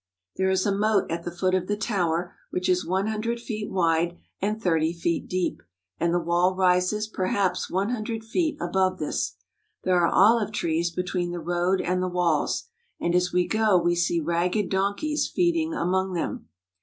There is a moat at the foot of the tower which is one hundred feet wide and thirty feet deep, and the wall rises perhaps one hundred feet above this. There are olive trees between the road and the walls, and as we go we see ragged donkeys feeding among them.